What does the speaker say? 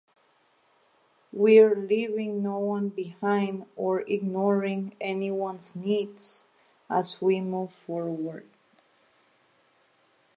We’re leaving no one behind or ignoring anyone’s needs as we move forward.